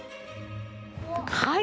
はい！